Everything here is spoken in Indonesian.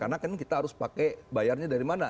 karena kita harus pakai bayarnya dari mana